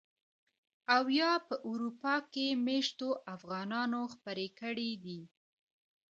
او يا په اروپا کې مېشتو افغانانو خپرې کړي دي.